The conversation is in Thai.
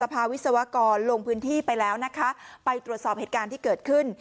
พาวิศวกรลงพื้นที่ไปแล้วนะคะไปตรวจสอบเหตุการณ์ที่เกิดขึ้น